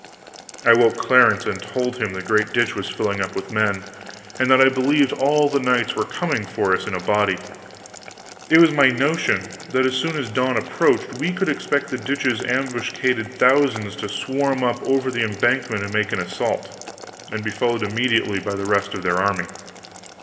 I woke Clarence and told him the great ditch was filling up with men, and that I believed all the knights were coming for us in a body. It was my notion that as soon as dawn approached we could expect the ditch's ambuscaded thousands to swarm up over the embankment and make an assault, and be followed immediately by the rest of their army.